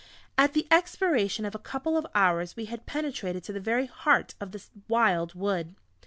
At the expiration of a couple of hours we had penetrated to the very heart of the wild wood.